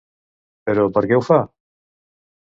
Però per què ho fa?